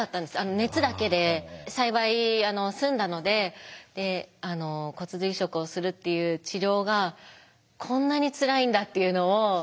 熱だけで幸い済んだのでで骨髄移植をするっていう治療がこんなにつらいんだっていうのを。